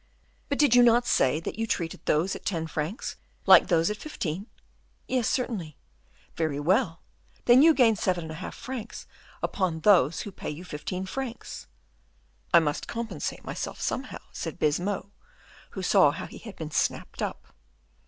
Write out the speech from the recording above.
"But did you not say that you treated those at ten francs like those at fifteen?" "Yes, certainly." "Very well! Then you gain seven francs and a half upon those who pay you fifteen francs." "I must compensate myself somehow," said Baisemeaux, who saw how he had been snapped up.